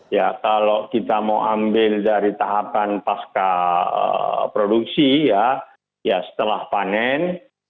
ya kalau kita mau ambil dari tahapan pasca produksi ya setelah panen